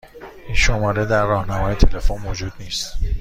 این شماره در راهنمای تلفن موجود نیست.